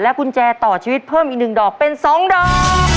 กุญแจต่อชีวิตเพิ่มอีก๑ดอกเป็น๒ดอก